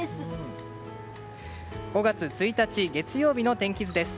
５月１日、月曜日の天気図です。